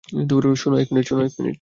শোনো, এক মিনিট।